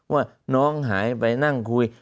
ว่าน้องหายไปนั่งคุย